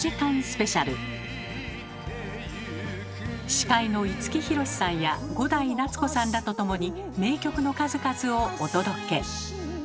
司会の五木ひろしさんや伍代夏子さんらと共に名曲の数々をお届け。